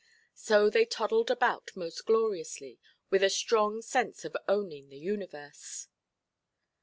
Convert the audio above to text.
So they toddled about most gloriously, with a strong sense of owning the universe.